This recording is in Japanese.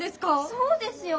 そうですよ。